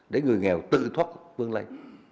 để người nghèo tự thoát vươn lên